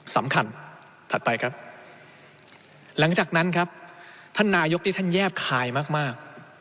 ถัดไปครับหลังจากนั้นครับท่านนายกที่ท่านแยบคายมากมาก